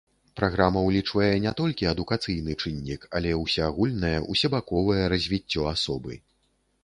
Праграма ўлічвае не толькі адукацыйны чыннік, але ўсеагульнае, усебаковае развіццё асобы.